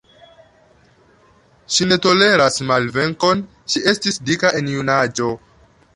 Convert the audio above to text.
Ŝi ne toleras malvenkon, ŝi estis dika en junaĝo.